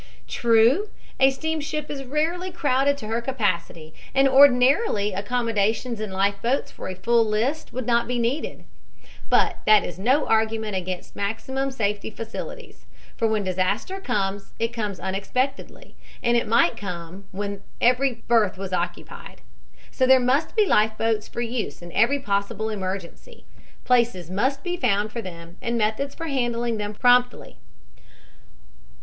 True, a steamship is rarely crowded to her capacity, and ordinarily accommodations in life boats for a full list would not be needed. But that is no argument against maximum safety facilities, for when disaster comes it comes unexpectedly, and it might come when every berth was occupied. So there must be life boats for use in every possible emergency. Places must be found for them and methods for handling them promptly.